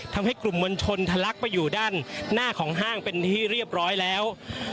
ทำให้กลุ่มมวลชนทะลักไปอยู่ด้านหน้าของห้างเป็นที่เรียบร้อยแล้ว